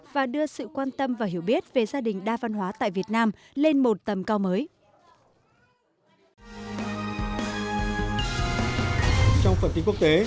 và đưa sự quan tâm và hiểu biết về gia đình đa văn hóa tại việt nam lên một tầm cao mới